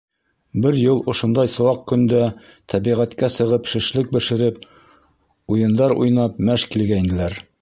Бер йыл ошондай сыуаҡ көндә тәбиғәткә сығып шешлек бешереп, уйындар уйнап мәж килгәйнеләр.